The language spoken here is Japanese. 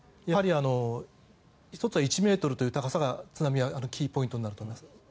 やはり１つは１ｍという高さが津波はキーポイントになっています。